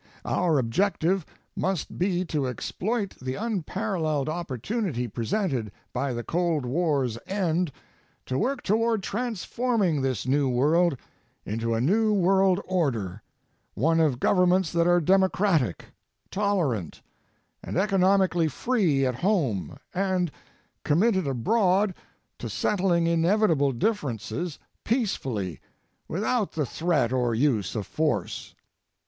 Our objective must be to exploit the unparalleled opportunity presented by the cold war's end to work toward transforming this new world into a new world order, one of governments that are democratic, tolerant, and economically free at home and committed abroad to settling inevitable differences peacefully, without the threat or use of force.